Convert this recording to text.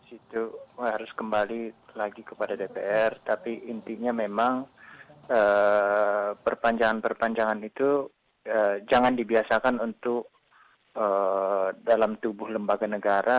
itu harus kembali lagi kepada dpr tapi intinya memang perpanjangan perpanjangan itu jangan dibiasakan untuk dalam tubuh lembaga negara